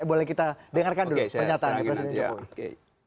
boleh kita dengarkan dulu pernyataan dari presiden jokowi